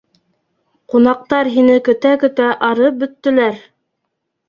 Ҡунаҡтар һине көтә-көтә арып бөттөләр.